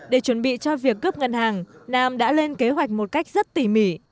để chuẩn bị cho việc cướp ngân hàng nam đã lên kế hoạch một cách rất tỉ mỉ